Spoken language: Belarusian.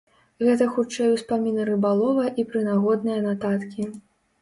Гэта хутчэй успаміны рыбалова і прынагодныя нататкі.